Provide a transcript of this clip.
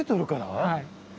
はい。